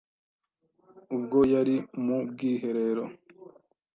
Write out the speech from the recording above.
Ubwo yari mu bwiherero ,